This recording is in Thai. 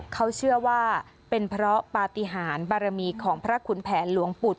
เขาเชื่อว่าเป็นเพราะปฏิหารบารมีของพระขุนแผนหลวงปุฏ